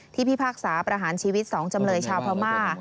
พิพากษาประหารชีวิต๒จำเลยชาวพม่า